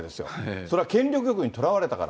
それは権力欲にとらわれたから。